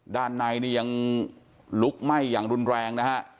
ด้านในยังลุกไหม้อย่างรุนแรงนะครับ